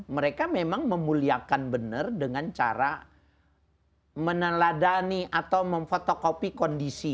mereka memang memuliakan benar dengan cara meneladani atau memfotokopi kondisi